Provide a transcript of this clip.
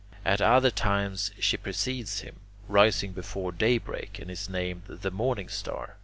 At other times she precedes him, rising before day break, and is named the Morning Star.